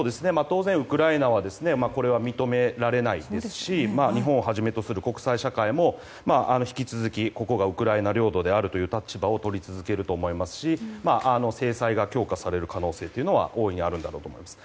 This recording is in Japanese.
ウクライナはこれは認められないですし日本をはじめとする国際社会も引き続き、ここがウクライナ領土だという立場を取り続けると思いますし制裁が強化される可能性というのは大いにあるんだろうと思います。